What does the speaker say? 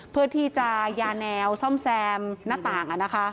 เพื่อที่จะยาแนวซ่อมแซมหน้าต่าง